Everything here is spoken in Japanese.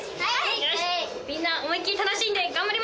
みんな思い切り楽しんで頑張りましょう！